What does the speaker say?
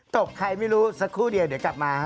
ตบใครไม่รู้สักครู่เดี๋ยวกลับมา